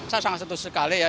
saya sangat setuju sekali ya